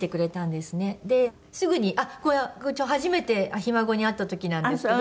ですぐにあっこれは初めてひ孫に会った時なんですけど。